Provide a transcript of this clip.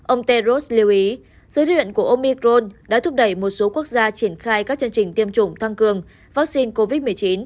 ông tedros lưu ý dự định của omicron đã thúc đẩy một số quốc gia triển khai các chương trình tiêm chủng tăng cường vắc xin covid một mươi chín